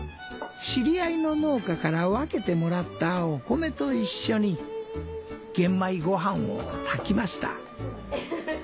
知り合いの農家から分けてもらったお米と一緒に玄米ご飯を炊きました。